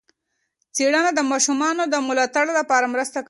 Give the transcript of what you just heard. څېړنه د ماشومانو د ملاتړ لپاره مرسته کوي.